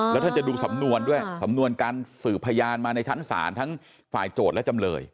แล้วท่านจะดูสำนวนด้วยสำนวนการสืบพยานมาในชั้นศาลทั้งฝ่ายโจทย์และจำเลย